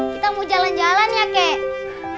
kita mau jalan jalan ya kek